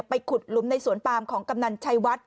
ไปขุดหลุมในสวนปามของกำนันชัยวัด